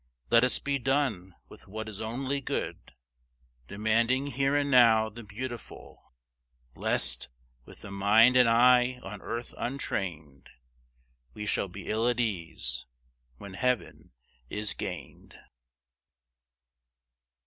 Let us be done with what is only good, Demanding here and now the beautiful; Lest, with the mind and eye on earth untrained, We shall be ill at ease when heaven is gained.